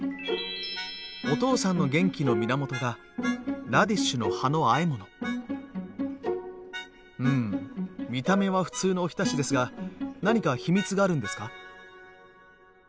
お父さんの元気の源がうん見た目は普通のおひたしですが何か秘密があるんですか？